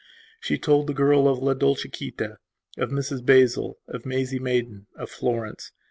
She told the girl of La Dolciquita, of Mrs Basil, of Maisie Maidan, of Florence.